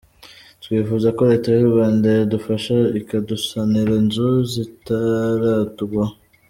Twifuza ko Leta y’u Rwanda yadufasha ikadusanira inzu zitaratugwahoʺ.